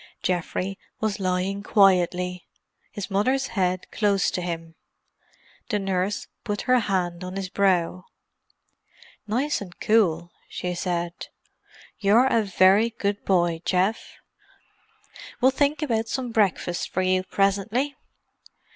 Geoffrey was lying quietly, his mother's head close to him. The nurse put her hand on his brow. "Nice and cool," she said. "You're a very good boy, Geoff; we'll think about some breakfast for you presently."